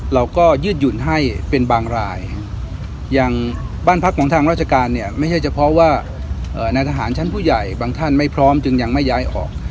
ยืดหยุ่นให้เป็นบางรายอย่างบ้านพักของทางราชการเนี่ยไม่ใช่เฉพาะว่านายทหารชั้นผู้ใหญ่บางท่านไม่พร้อมจึงยังไม่ย้ายออก